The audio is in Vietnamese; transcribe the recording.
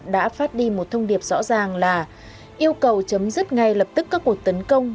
đã phát đi một thông điệp rõ ràng là yêu cầu chấm dứt ngay lập tức các cuộc tấn công